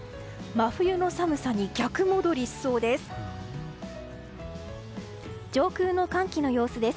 真冬の寒さに逆戻りしそうです。